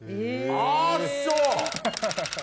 あっそう。